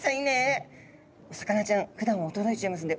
お魚ちゃんふだんは驚いちゃいますので。